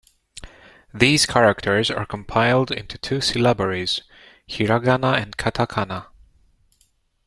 These characters are compiled into two syllabaries: hiragana and katakana.